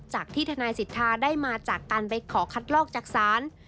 จากที่ทนายสิทธาได้มาจากการไปขอคัดลอกจากศาล